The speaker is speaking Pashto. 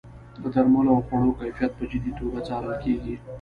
د درملو او خوړو کیفیت په جدي توګه څارل کیږي.